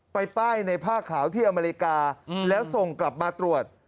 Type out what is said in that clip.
ไปป้ายในผ้าขาวที่อเมริกาแล้วส่งกลับมาตรวจ